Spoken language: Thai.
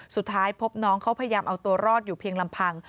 สุดท้ายพบน้องเขาพยายามเอาตัวรอดอยู่เพียงลำพัง